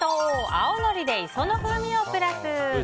青のりで磯の風味をプラス！